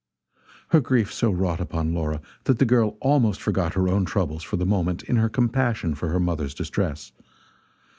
Her grief so wrought upon Laura that the girl almost forgot her own troubles for the moment in her compassion for her mother's distress.